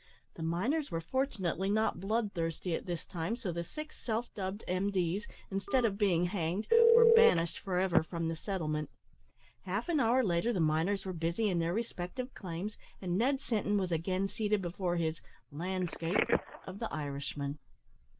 The miners were fortunately not bloodthirsty at this time, so the six self dubbed M.D.s, instead of being hanged, were banished for ever from the settlement. Half an hour later the miners were busy in their respective claims, and Ned Sinton was again seated before his "lan'scape" of the Irishman.